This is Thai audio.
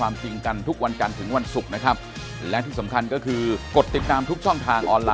มันจะกลับมา